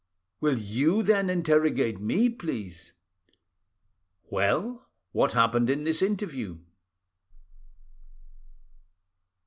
"Will you then interrogate me, please?" "Well, what happened in this interview?"